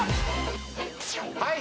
はい！